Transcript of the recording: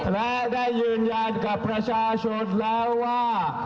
และได้ยืนยันกับประชาชนแล้วว่า